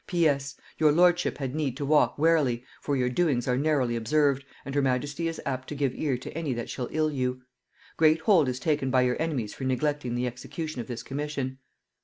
"P.S. Your lordship had need to walk warily, for your doings are narrowly observed, and her majesty is apt to give ear to any that shall ill you. Great hold is taken by your enemies for neglecting the execution of this commission.